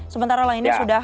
sementara lainnya sudah